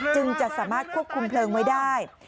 จึงจะสามารถควบคุมเพลิงไว้ได้